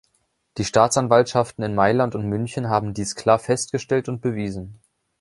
Die Staatsanwaltschaften in Mailand und München haben dies klar festgestellt und bewiesen.